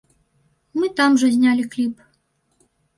Мы там жа знялі кліп.